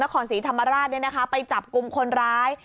นครศรีธรรมราชเนี่ยนะคะไปจับกลุ่มคนร้าย